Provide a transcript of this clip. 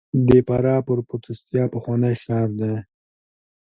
د فراه پروفتاسیا پخوانی ښار دی